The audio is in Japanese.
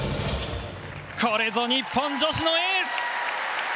これぞ日本女子のエース。